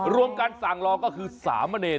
รวมกันสั่งรอก็คือสามเณร